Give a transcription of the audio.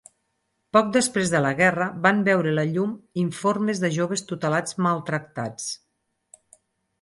Poc després de la guerra, van veure la llum informes de joves tutelats maltractats.